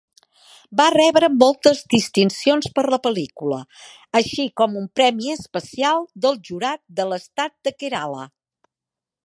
Va rebre moltes distincions per la pel·lícula, així com un premi especial del jurat de l'estat de Kerala.